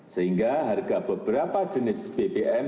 sehingga harga beberapa jenis bbm